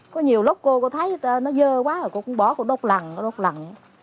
có nhiều lúc cô thấy nó dơ quá rồi cô cũng bỏ cô đốt lặng cô đốt lặng